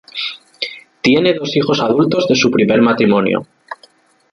Tiene dos hijos adultos de su primer matrimonio.